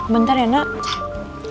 bentar ya nak